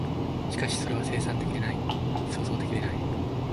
しかしそれは生産的でない、創造的でない。